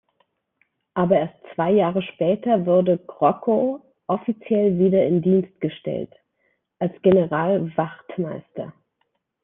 Aber erst zwei Jahre später wurde Krockow offiziell wieder in Dienst gestellt: als Generalwachtmeister.